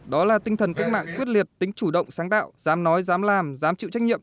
đó là tinh thần cách mạng quyết liệt tính chủ động sáng tạo dám nói dám làm dám chịu trách nhiệm